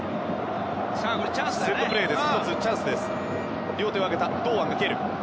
セットプレーです。